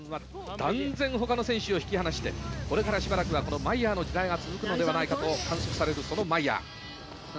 ほかの選手を引き離してこれから、しばらくはこのマイヤーの時代が続くのではないかと観測される、そのマイヤー。